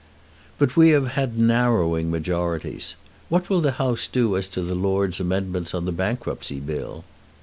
"But we have had narrowing majorities. What will the House do as to the Lords' amendments on the Bankruptcy Bill?"